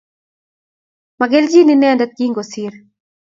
Magelji inendet kingosiir